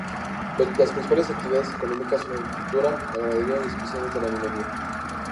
Las principales actividades económicas son la agricultura, la ganadería y especialmente; la minería.